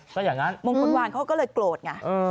ถ้าอย่างนั้นมงคลวานเขาก็เลยโกรธไง